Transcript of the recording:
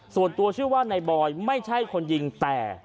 ส่วนตัวชื่อว่านายบอยไม่ใช่คนยิงแต่